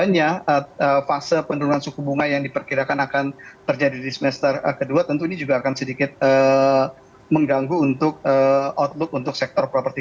hanya fase penurunan suku bunga yang diperkirakan akan terjadi di semester kedua tentu ini juga akan sedikit mengganggu untuk outlook untuk sektor properti